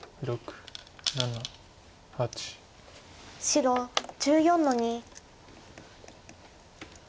白１４の二。